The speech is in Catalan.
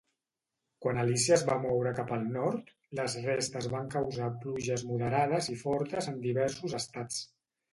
Quan Alícia es va moure cap al nord, les restes van causar pluges moderades i fortes en diversos estats.